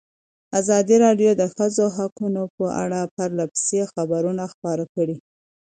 ازادي راډیو د د ښځو حقونه په اړه پرله پسې خبرونه خپاره کړي.